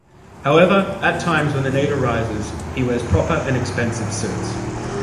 However, at times when the need arises, he wears proper and expensive suits.